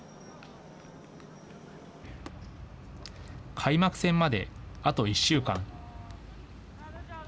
開幕戦まであと１週間。